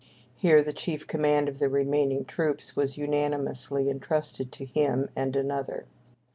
Here the chief command of the remaining troops was unanimously entrusted to him and another.